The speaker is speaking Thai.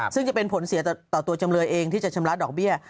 ซึ่งจะเป็นผลเสียต่อตัวจำเลยเองที่จะชำระดอกเบี้ย